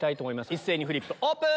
一斉にフリップオープン！